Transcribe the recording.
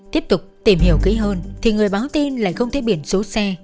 tiếp tục tìm hiểu kỹ hơn thì người báo tin lại không thấy biển số xe